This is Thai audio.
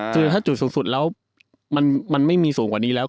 คือถ้าจุดสูงสุดแล้วมันไม่มีสูงกว่านี้แล้ว